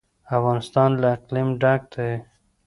افغانستان له اقلیم ډک دی.